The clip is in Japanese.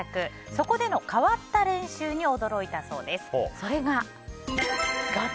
そこでの変わった練習に驚いたそうです。